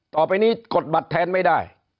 ต่อไปนี้กดบัตรแทนไม่ได้